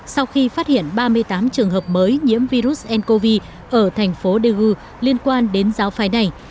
sau khi phát hiện ba mươi tám trường hợp mới nhiễm virus ncov ở thành phố daegu liên quan đến giáo phái này